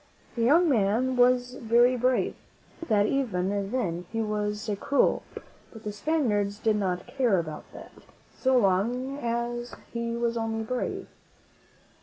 The young man was very brave. I think that, even then, he was cruel, but the Spaniards did not care about that, so long as he was only brave.